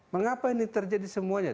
mengapa ini terjadi semuanya